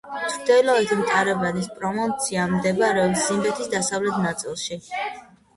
ჩრდილოეთი მატაბელელენდის პროვინცია მდებარეობს ზიმბაბვეს დასავლეთ ნაწილში.